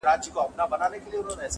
نه هغه تللې زمانه سته زه به چیري ځمه؛